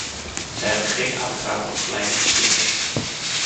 Ze hebben geen adequaat opgeleide bestuurders.